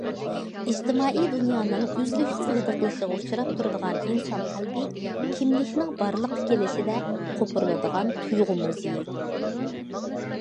ئىجتىمائىي دۇنيانىڭ ئۈزلۈكسىز غىدىقلىشىغا ئۇچراپ تۇرىدىغان ئىنسان قەلبى كىملىكنىڭ بارلىققا كېلىشىدە قوپۇرۇلىدىغان تۇيغۇ موزىيى.